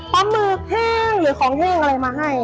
หมึกแห้งหรือของแห้งอะไรมาให้